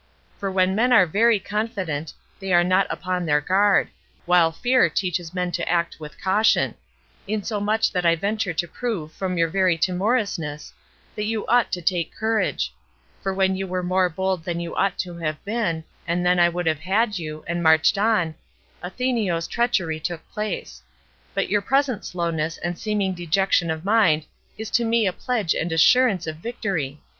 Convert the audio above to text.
For when men are very confident, they are not upon their guard, while fear teaches men to act with caution; insomuch that I venture to prove from your very timorousness that you ought to take courage; for when you were more bold than you ought to have been, and than I would have had you, and marched on, Athenio's treachery took place; but your present slowness and seeming dejection of mind is to me a pledge and assurance of victory.